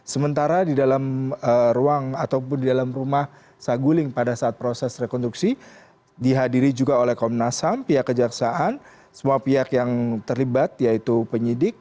sementara di dalam ruang ataupun di dalam rumah saguling pada saat proses rekonstruksi dihadiri juga oleh komnas ham pihak kejaksaan semua pihak yang terlibat yaitu penyidik